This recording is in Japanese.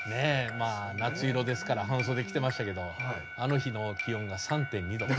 まあ「夏色」ですから半袖着てましたけどあの日の気温が３．２度。